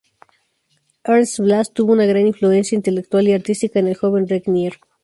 Ernst Blass tuvo una gran influencia intelectual y artística en el joven Regnier.